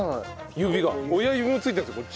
指が親指もついてるんですよこっち。